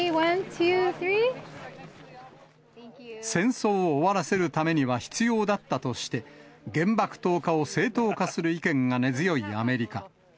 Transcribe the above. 戦争を終わらせるためには必要だったとして、原爆投下を正当化する意見が根強いアメリカ。